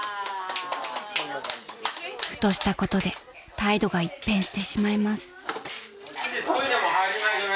［ふとしたことで態度が一変してしまいます］